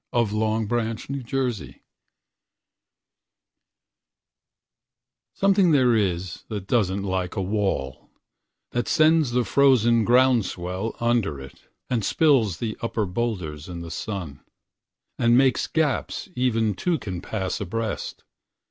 Mending Wall By Robert Frost SOMETHING there is that doesn't love a wall, That sends the frozen ground swell under it, And spills the upper boulders in the sun; And makes gaps even two can pass abreast.